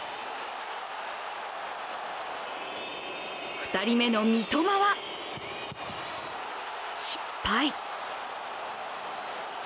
２人目の三笘は失敗。